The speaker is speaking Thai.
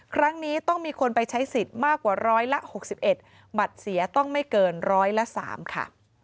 ครั้งนี้ต้องมีคนไปใช้สิทธิ์มากกว่าร้อยละ๖๑บัตรเสียต้องไม่เกินร้อยละ๓ค่ะ